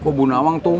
kok ibu nawang telepon